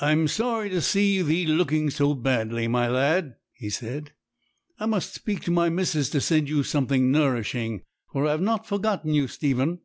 'I'm sorry to see thee looking so badly, my lad,' he said; 'I must speak to my missis to send you something nourishing, for I've not forgotten you, Stephen.